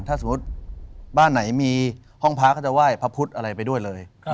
ถ้าสมมุติบ้านไหนมีห้องพระก็จะไหว้พระพุทธอะไรไปด้วยเลย